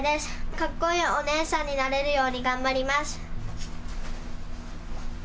かっこいいお姉さんになれるように頑張ります。